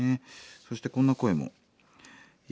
そしてこんな声も。